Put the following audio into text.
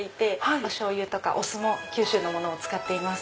おしょうゆとかお酢も九州のものを使っています。